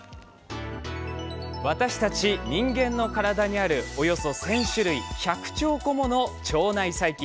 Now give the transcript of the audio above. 私たち人間の体にあるおよそ１０００種類１００兆個もの腸内細菌。